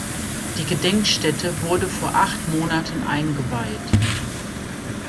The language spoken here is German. Die Gedenkstätte wurde vor acht Monaten eingeweiht.